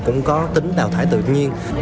cũng có tính đào thải tự nhiên